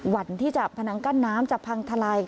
วันที่จะพนังกั้นน้ำจะพังทลาย